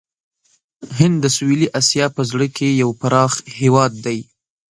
هند د سویلي آسیا په زړه کې یو پراخ هېواد دی.